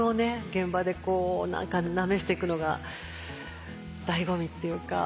現場でこう何かなめしていくのがだいご味っていうか。